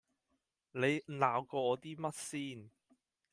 你鬧過我啲乜先